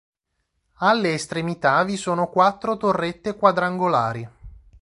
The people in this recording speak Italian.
Alle estremità vi sono quattro torrette quadrangolari.